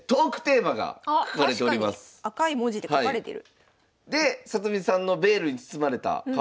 赤い文字で書かれてる。